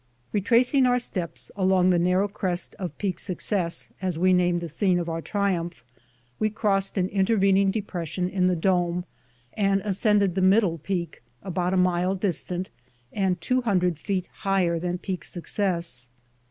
Retracing our steps along the narrow crest of Peak Success, as we named the scene of our triumph, we crossed an intervening depression in the dome, and ascended the middle peak, about a mile distant and two hundred feet higher than Peak Success.